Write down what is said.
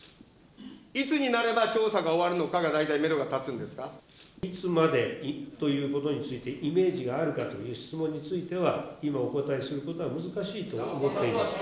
いつになれば調査が終わるのかが、いつまでにということについて、イメージがあるかという質問については、今お答えすることは難しいと思っています。